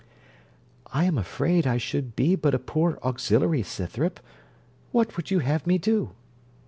'I am afraid I should be but a poor auxiliary, Scythrop. What would you have me do?'